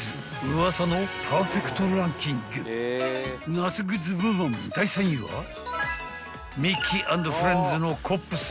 ［夏グッズ部門第３位はミッキー＆フレンズの］